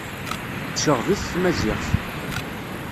Tceɣɣeb-it tmaziɣt.